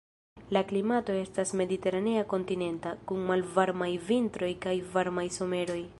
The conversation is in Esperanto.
La klimato estas mediteranea kontinenta, kun malvarmaj vintroj kaj varmaj someroj.